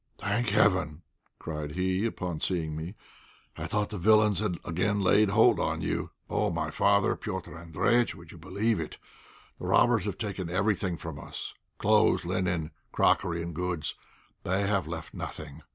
"Thank heaven!" cried he, upon seeing me, "I thought the villains had again laid hold on you. Oh! my father, Petr' Andréjïtch, would you believe it, the robbers have taken everything from us: clothes, linen, crockery and goods; they have left nothing.